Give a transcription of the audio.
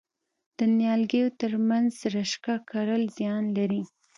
د نیالګیو ترمنځ رشقه کرل زیان لري؟